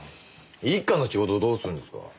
一課の仕事どうするんですか？